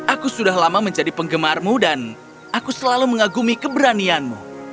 aku sudah lama menjadi penggemarmu dan aku selalu mengagumi keberanianmu